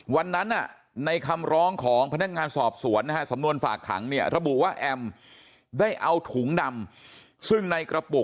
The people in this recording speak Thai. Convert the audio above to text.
วันนั้นในคำร้องของพนักงานสอบสวนสำนวนฝากขังระบุว่าแอมได้เอาถุงดำ